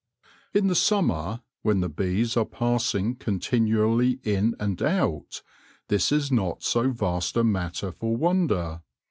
In the sum mer, when the bees are passing continually in and out, this is not so vast a matter for wonder.